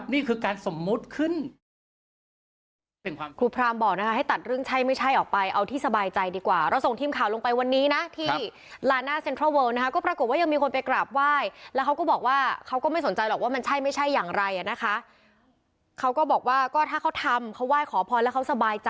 นึกออกไหมครับบางทีเทพพระพิการ์เนสเตะบอลยังมีเลย